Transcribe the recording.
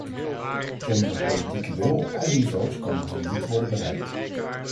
Zonder een politieke wil op alle niveaus kan het doel niet worden bereikt.